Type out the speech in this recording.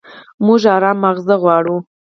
موږ ارام ماغزه غواړو.